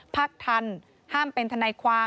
พักทันห้ามเป็นทนายความ